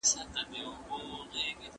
موږ کله کله خپله لاره ورک کوو.